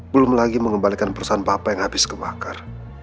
belum lagi mengembalikan perusahaan bapak yang habis kebakar